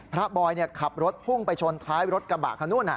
บอยขับรถพุ่งไปชนท้ายรถกระบะคันนู้น